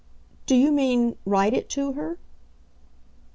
"Do you mean write it to her?"